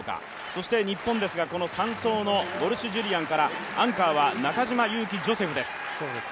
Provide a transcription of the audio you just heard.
そして日本ですが、３走のウォルシュ・ジュリアンからアンカーは中島佑気ジョセフです。